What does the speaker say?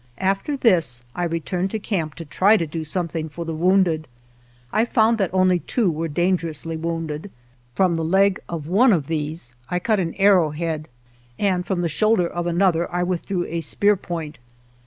After this I returned to camp to try to do something for the wounded. I found that only two M r ere dangerously wounded. From the leg 75 GERONIMO of one of these I cut an arrow head, and from the shoulder of another I withdrew a spear point.